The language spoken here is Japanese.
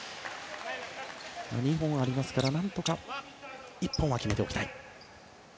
２本ありますから何とか１本は決めておきたい。